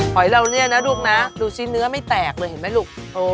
หอยเราเนี่ยนะลูกนะดูสิเนื้อไม่แตกเลยเห็นไหมลูก